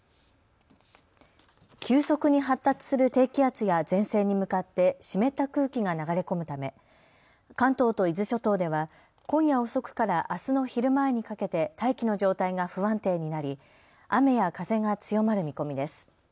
急速に発達する低気圧や前線に向かって湿った空気が流れ込むため関東と伊豆諸島では今夜遅くからあすの昼前にかけて大気の状態が不安定になり雨や風が強まる見込みです。